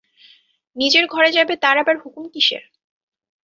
নিজের ঘরে যাবে তার আবার হুকুম কিসের?